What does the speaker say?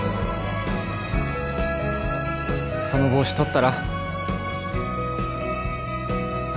その帽子取ったら？